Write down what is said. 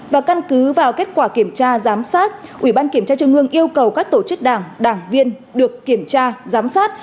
và căn cứ vào kết quả kiểm tra giám sát ủy ban kiểm tra trung ương yêu cầu các tổ chức đảng đảng viên được kiểm tra giám sát